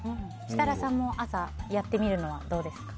設楽さんも朝やってみるのはどうですか？